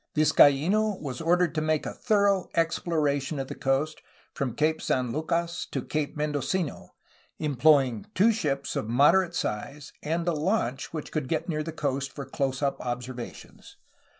Vizcaino was ordered to make a thorough exploration of the coast from Cape San Lucas to Cape Mendocino, employing two ships of moderate size and a launch, which could get near the coast for close up observations.